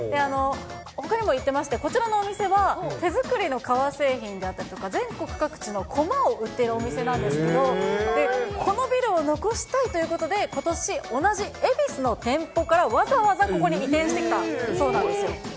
ほかにもいってまして、こちらのお店は、手作りの革製品であったりとか、全国各地のこまを売っているお店なんですけど、このビルを残したいということで、ことし、同じ恵比寿の店舗からわざわざここに移転してきたそうなんです。